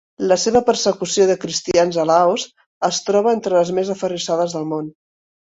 La seva persecució de cristians a Laos es troba entre les més aferrissades del món.